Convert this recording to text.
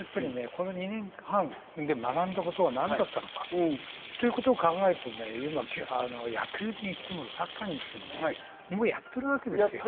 この２年半で学んだことは何だったのかということを考えると、野球にしてもサッカーにしてもね、もうやってるわけですよ。